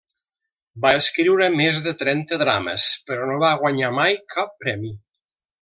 Va escriure més de trenta drames, però no va guanyar mai cap premi.